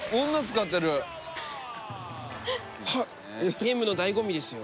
ゲームのだいご味ですよ。